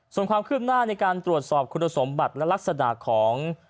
ส่วนความคืบหน้าในการตรวจสอบคุณสมบัติและลักษณะของ